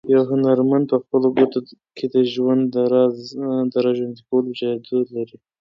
یو هنرمند په خپلو ګوتو کې د ژوند د راژوندي کولو جادو لري.